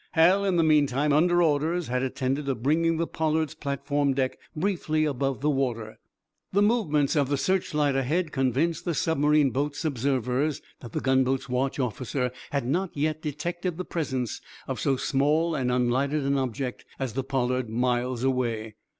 Hal, in the meantime, under orders, had attended to bringing the "Pollard's" platform deck briefly above water. The movements of the searchlight ahead convinced the submarine boat's observers that the gunboat's watch officer had not yet detected the presence of so small and unlighted an object as the "Pollard," miles away.